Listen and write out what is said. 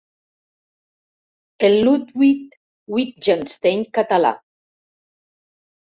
El Ludwig Wittgenstein català!